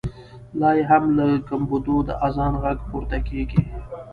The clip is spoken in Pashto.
لا یې هم له ګمبدو د اذان غږ پورته کېږي.